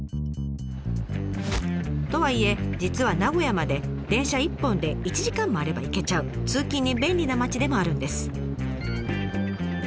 とはいえ実は名古屋まで電車１本で１時間もあれば行けちゃう通勤に便利な町でもあるんです。